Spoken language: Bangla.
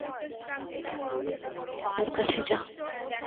যা, আমার বদমাইশ ভাইটার কাছে যা!